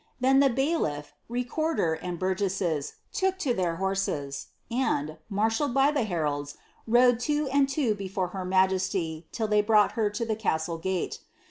liien the bailifl^ recorder, and burffesses, took biheir horBeeyand, narahalled by the heralds, rode two and two before Hr ta^eaiT, till tlm brought her to the castle gate.